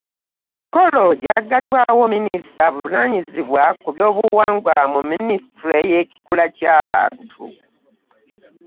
Emikolo gyaggaddwaawo Minisita avunaanyizibwa ku byobuwangwa mu Minisitule y'Ekikula ky'abantu.